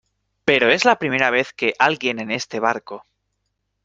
pero es la primera vez que alguien en este barco